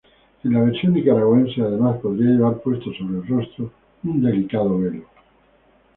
En la versión nicaragüense, además, podría llevar puesto sobre el rostro un delicado velo.